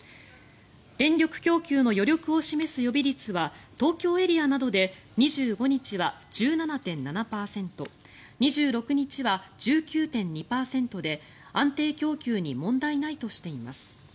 電力供給の余力を示す予備率は東京エリアなどで２５日は１７．７％２６日は１９．２％で安定供給に問題ないとしています。